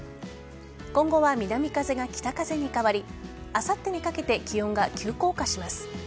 今後は南風が北風に変わりあさってにかけて気温が急降下します。